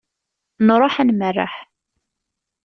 Nruḥ ad nmerreḥ.